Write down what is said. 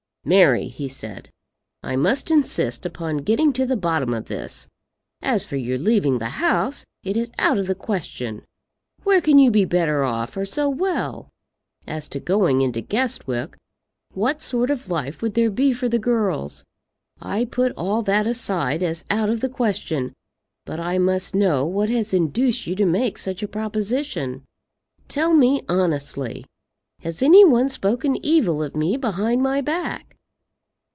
"Mary," he said, "I must insist upon getting to the bottom of this. As for your leaving the house, it is out of the question. Where can you be better off, or so well? As to going into Guestwick, what sort of life would there be for the girls? I put all that aside as out of the question; but I must know what has induced you to make such a proposition. Tell me honestly, has any one spoken evil of me behind my back?"